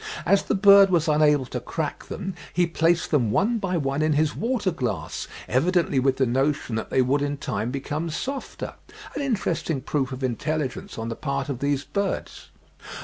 As the bird was unable to crack them, he placed them one by one in his water glass, evidently with the notion that they would in time become softer—an interesting proof of intelligence on the part of these birds.")